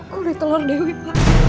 kulit telur dewi pak